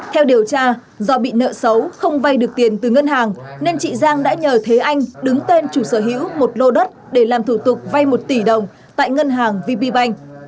theo điều tra do bị nợ xấu không vay được tiền từ ngân hàng nên chị giang đã nhờ thế anh đứng tên chủ sở hữu một lô đất để làm thủ tục vay một tỷ đồng tại ngân hàng vp banh